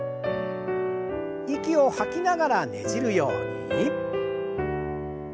息を吐きながらねじるように。